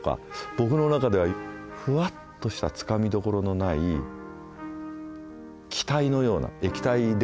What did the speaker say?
僕の中ではフワっとしたつかみどころのない気体のような液体でもない気体のような気配。